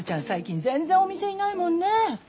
最近全然お店いないもんねえ。